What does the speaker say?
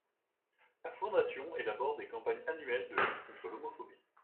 La Fondation élabore des campagnes annuelles de lutte contre l’homophobie.